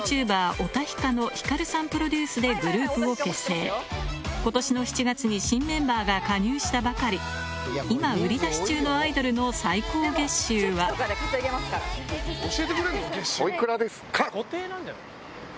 おたひかのひかるさんプロデュースでグループを結成今年の７月に新メンバーが加入したばかり今売り出し中のアイドルのえっと。